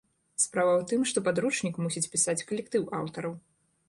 Справа у тым, што падручнік мусіць пісаць калектыў аўтараў.